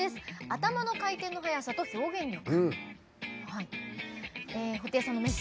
頭の回転の速さと表現力。